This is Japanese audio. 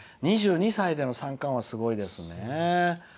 ２２歳での三冠王はすごいですね。